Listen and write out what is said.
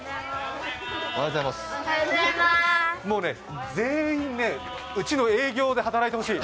もうね全員うちの営業で働いてほしい。